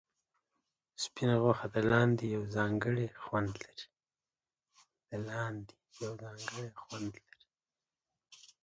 سپینه غوښه د لاندي یو ځانګړی خوند لري.